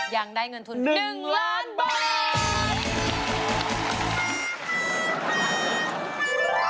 ยังได้เงินทุน๑ล้านบาท